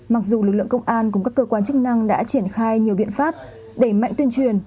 mặc dù lực lượng công an cùng các cơ quan chức năng đã triển khai nhiều biện pháp đẩy mạnh tuyên truyền